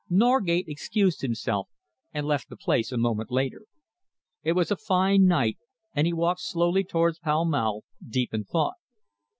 Norgate excused himself and left the place a moment later. It was a fine night, and he walked slowly towards Pall Mall, deep in thought.